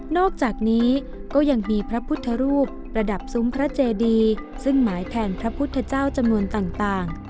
อกจากนี้ก็ยังมีพระพุทธรูปประดับซุ้มพระเจดีซึ่งหมายแทนพระพุทธเจ้าจำนวนต่าง